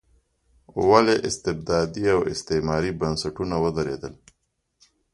ولې استبدادي او استثماري بنسټونه ودرېدل.